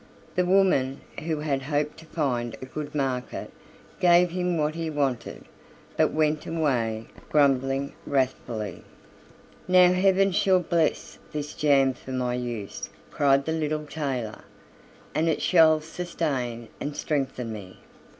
The woman, who had hoped to find a good market, gave him what he wanted, but went away grumbling wrathfully. "Now heaven shall bless this jam for my use," cried the little tailor, "and it shall sustain and strengthen me."